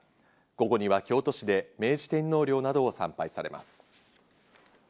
午後には京都市で明治天皇陵などを参拝されます。